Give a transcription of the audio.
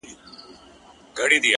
پرمختګ د نن له سم عمل پیلېږي؛